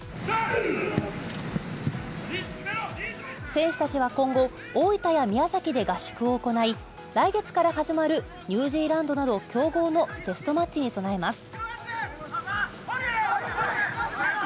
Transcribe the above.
選手たちは今後、大分や宮崎で合宿を行い、来月から始まるニュージーランドなど、強豪のテストマッチに備えます。